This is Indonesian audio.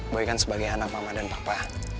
baik kan sebagai anak mama dan papa